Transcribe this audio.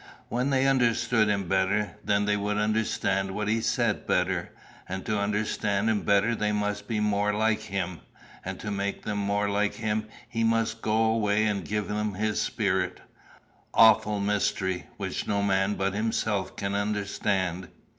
When they understood him better, then they would understand what he said better. And to understand him better they must be more like him; and to make them more like him he must go away and give them his spirit awful mystery which no man but himself can understand.